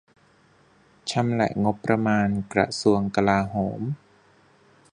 ชำแหละงบประมาณ "กระทรวงกลาโหม"